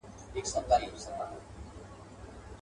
چي د ځوانۍ په پيل کي پر ما باندي